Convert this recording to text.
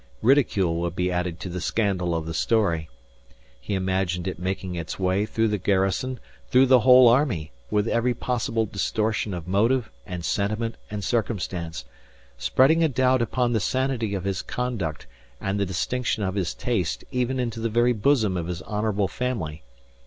Ridicule would be added to the scandal of the story. He imagined it making its way through the garrison, through the whole army, with every possible distortion of motive and sentiment and circumstance, spreading a doubt upon the sanity of his conduct and the distinction of his taste even into the very bosom of his honourable family.